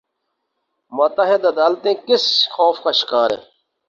ماتحت عدالتیں کس خوف کا شکار تھیں؟